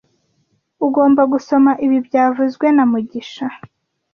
Ugomba gusoma ibi byavuzwe na mugisha